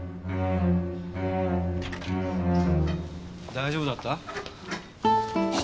大丈夫だった？